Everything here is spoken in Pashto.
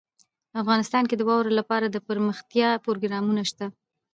افغانستان کې د واوره لپاره دپرمختیا پروګرامونه شته.